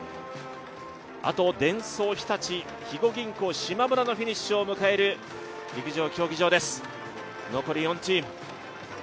あとデンソー、日立肥後銀行、しまむらのフィニッシュを迎える陸上競技場です、残り４チーム。